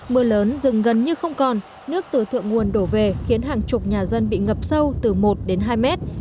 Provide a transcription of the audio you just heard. mưa lớn dừng gần như không còn nước từ thượng nguồn đổ về khiến hàng chục nhà dân bị ngập sâu từ một đến hai mét